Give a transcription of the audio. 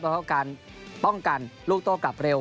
ต้องเข้าการป้องกันลูกโตกลับเร็ว